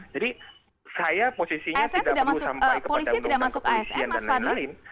jadi saya posisinya tidak perlu sampai kepada undang undang kepolisian dan lain lain